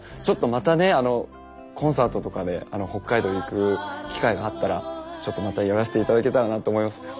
ちょっとまたねコンサートとかで北海道行く機会があったらちょっとまた寄らせて頂けたらなと思います。